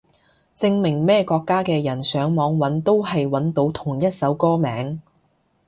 證明咩國家嘅人上網搵都係搵到同一首歌名